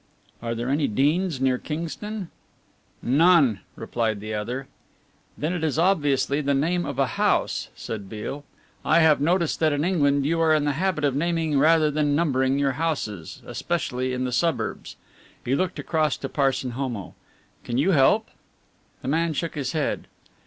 "Are there any 'Deans' near Kingston?" "None," replied the other. "Then it is obviously the name of a house," said Beale. "I have noticed that in England you are in the habit of naming rather than numbering your houses, especially in the suburbs." He looked across to Parson Homo, "Can you help?" The man shook his head.